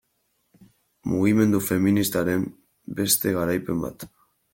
Mugimendu feministaren beste garaipen bat.